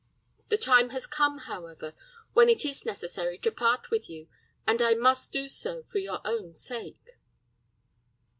The time has come, however, when it is necessary to part with you, and I must do so for your own sake."